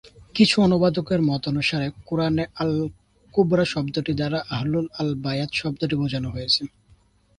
কিছু অনুবাদকের মতানুসারে, কেরআন-এ "আল-কুরবা" শব্দটি দ্বারা 'আহল আল-বায়াত' শব্দটিকে বোঝানো হয়েছে।